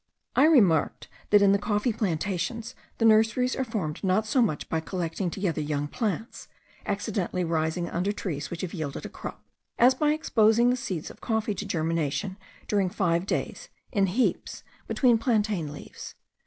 I remarked that in the coffee plantations the nurseries are formed not so much by collecting together young plants, accidentally rising under trees which have yielded a crop, as by exposing the seeds of coffee to germination during five days, in heaps, between plantain leaves.